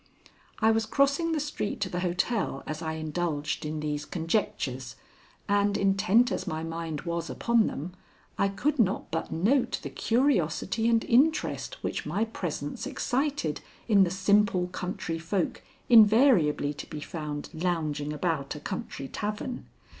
I was crossing the street to the hotel as I indulged in these conjectures, and intent as my mind was upon them, I could not but note the curiosity and interest which my presence excited in the simple country folk invariably to be found lounging about a country tavern.